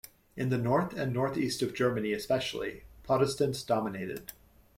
In the north and northeast of Germany especially, Protestants dominated.